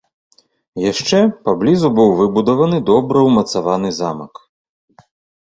Яшчэ паблізу быў выбудаваны добра ўмацаваны замак.